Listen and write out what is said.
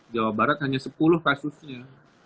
jawa barat hanya sepuluh kasusnya